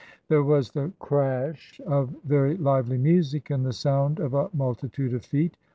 There was the crash of very lively music and the sound of a multitude of feet.